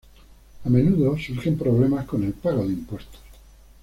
A menudo surgen problemas con el pago de impuestos.